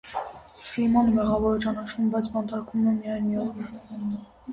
Ֆրիմանը մեղավոր է ճանաչվում, բայց բանտարկվում է միայն մի օրով։